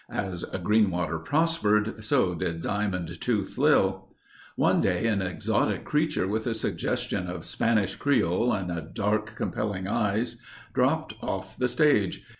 As Greenwater prospered so did Diamond Tooth Lil. One day an exotic creature with a suggestion of Spanish Creole and dark, compelling eyes dropped off the stage.